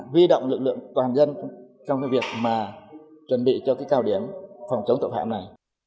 vi động lực lượng toàn dân trong việc chuẩn bị cho cao điểm phòng chống tội phạm này